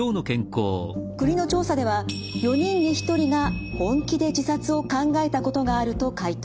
国の調査では４人に１人が本気で自殺を考えたことがあると回答。